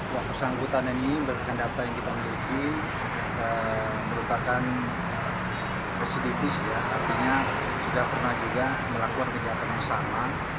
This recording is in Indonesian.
pada saat ini berdasarkan data yang kita miliki merupakan residitis artinya sudah pernah juga melakukan kejahatan yang sama